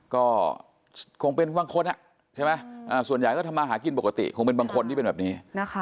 ก็คงเป็นบางคนใช่ไหมส่วนใหญ่ก็ทำมาหากินปกติคงเป็นบางคนที่เป็นแบบนี้